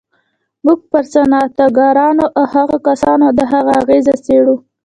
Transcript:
موږ پر صنعتکارانو او هغو کسانو د هغه اغېز څېړو